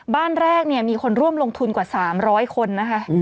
บ้านแรกเนี่ยมีคนร่วมลงทุนกว่า๓๐๐คนนะคะ